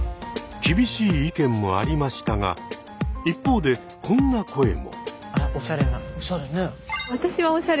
厳しい意見もありましたが一方でこんな声も。